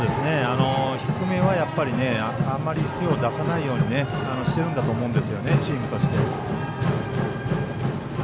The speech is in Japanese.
低めはやっぱり、あまり手を出さないようにしてるんだと思うんですよね、チームとして。